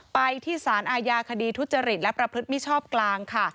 ไปที่สารอาญาคดีทุจริตและประพฤติมิชชอบกลางค่ะ